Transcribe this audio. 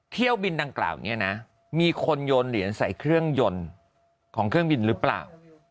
เที่ยวบินดังกล่าวนี้นะมีคนโยนเหรียญใส่เครื่องยนต์ของเครื่องบินหรือเปล่า